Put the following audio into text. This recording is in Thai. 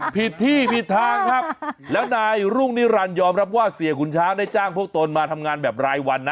ผิดที่ผิดทางครับแล้วนายรุ่งนิรันดิยอมรับว่าเสียขุนช้างได้จ้างพวกตนมาทำงานแบบรายวันนะ